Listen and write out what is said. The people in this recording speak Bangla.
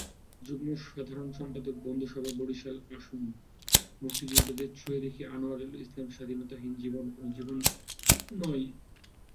যুগ্ম সাধারণ সম্পাদক, বন্ধুসভা, বরিশালআসুন, মুক্তিযোদ্ধাদের ছুঁয়ে দেখিআনোয়ারুল ইসলামস্বাধীনতাহীন জীবন কোনো জীবন নয়।